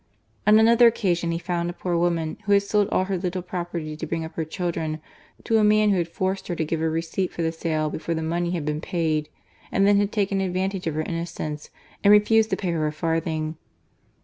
On another occasion he found a poor woman who had sold all her little property to bring up her children, to a man who had forced her to give a receipt for the sale before the money had been paid ; and then had taken advantage of her innocence, and refused to pay her a farthing.